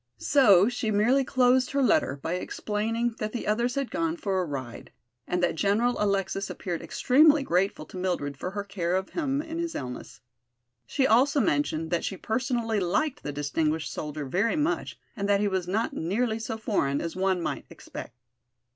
So she merely closed her letter by explaining that the others had gone for a ride and that General Alexis appeared extremely grateful to Mildred for her care of him in his illness. She also mentioned that she personally liked the distinguished soldier very much and that he was not nearly so foreign as one might expect.